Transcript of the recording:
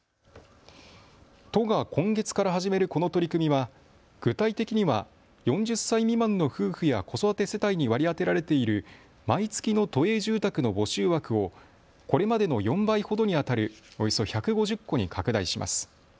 都が今月から始めるこの取り組みは具体的には４０歳未満の夫婦や子育て世帯に割り当てられている毎月の都営住宅の募集枠をこれまでの４倍ほどにあたるおよそ１５０戸に拡大します。